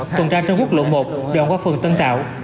tuần ra trong quốc lộ một đoạn qua phường tân tạo